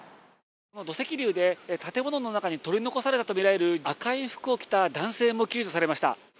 土石流で建物の中に取り残されたと見られる赤い服を着た男性も救助されました